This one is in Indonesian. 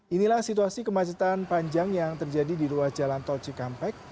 inilah situasi kemacetan panjang yang terjadi di ruas jalan tol cikampek